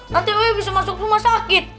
nanti bisa masuk rumah sakit